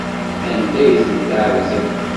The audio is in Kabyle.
Anda ay ten-tɛebdem?